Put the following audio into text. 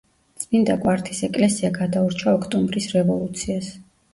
წმინდა კვართის ეკლესია გადაურჩა ოქტომბრის რევოლუციას.